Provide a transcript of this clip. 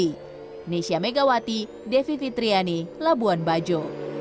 indonesia megawati devi fitriani labuan bajo